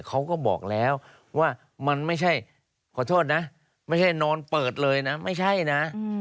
เขาก็บอกแล้วว่ามันไม่ใช่ขอโทษนะไม่ใช่นอนเปิดเลยนะไม่ใช่นะ